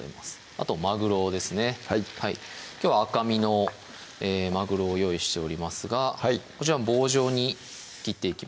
あとまぐろですねはいきょうは赤身のまぐろを用意しておりますがこちらも棒状に切っていきます